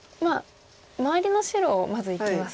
周りの白をまずいきますか。